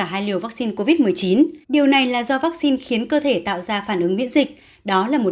thêm vắc xin covid một mươi chín điều này là do vắc xin khiến cơ thể tạo ra phản ứng miễn dịch đó là một